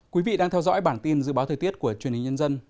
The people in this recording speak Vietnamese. quý vị đang theo dõi bản tin dự báo thời tiết của truyền hình nhân dân